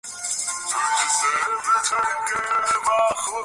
Thunder bird unit, mission অব্যাহত রাখো।